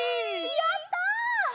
やった！